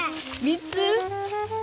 ３つ。